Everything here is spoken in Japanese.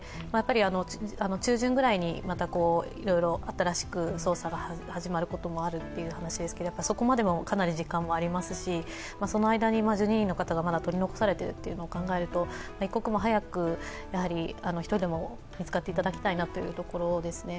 中旬ぐらいにいろいろ新しく捜査が始まるということもあるようですが、そこまでもかなり時間がありますしその間に１２人の方がまだ取り残されていることを考えると、一刻も早く１人でも見つかっていただきたいなというところですね。